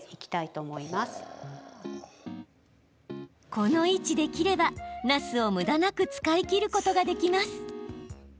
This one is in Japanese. この位置で切れば、なすをむだなく使い切ることができます。